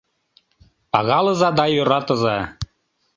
Пагалыза да йӧратыза.